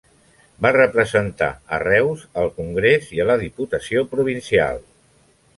Va representar a Reus al Congrés i a la Diputació Provincial.